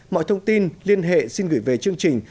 mọi thông tin liên hệ xin gửi về chương trình